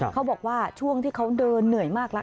เขาบอกว่าช่วงที่เขาเดินเหนื่อยมากแล้ว